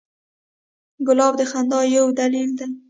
ګلاب د خندا یو دلیل دی.